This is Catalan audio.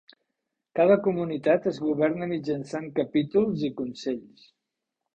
Cada comunitat es governa mitjançant capítols i consells.